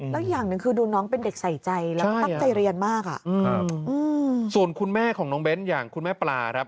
แล้วอย่างหนึ่งคือดูน้องเป็นเด็กใส่ใจแล้วก็ตั้งใจเรียนมากส่วนคุณแม่ของน้องเบ้นอย่างคุณแม่ปลาครับ